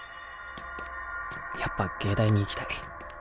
やっぱ藝大に行きたい。